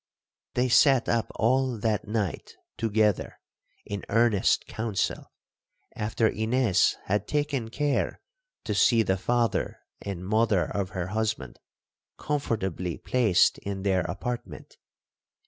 They sat up all that night together in earnest counsel, after Ines had taken care to see the father and mother of her husband comfortably placed in their apartment.